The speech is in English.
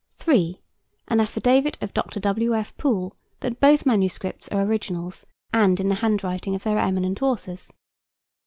3. An affidavit of Dr. W.F. Poole, that both manuscripts are originals, and in the handwriting of their eminent authors.